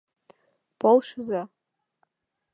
Полшыза!..